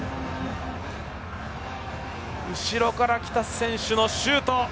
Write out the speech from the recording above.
後ろからきた選手のシュート。